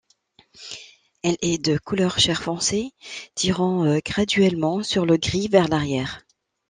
Elle est de couleur chair-foncé, tirant graduellement sur le gris vers l’arrière.